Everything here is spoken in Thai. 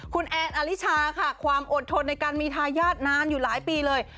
คุณแอนอลิชาค่ะความอดทนในการมีทายาทนานอยู่หลายปีเลย